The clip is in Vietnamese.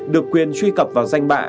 được quyền truy cập vào danh bạ